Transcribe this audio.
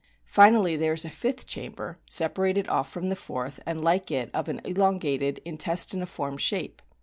Finally, there is a fifth chamber, separated off from the fourth, and, like it, of an elongated in testiniform shape.